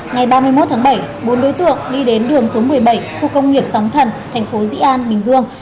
ngày ba mươi một tháng bảy bốn đối tượng đi đến đường số một mươi bảy khu công nghiệp sóng thần thành phố dĩ an bình dương